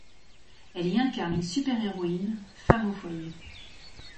Elle y incarne une super-héroïne, femme au foyer.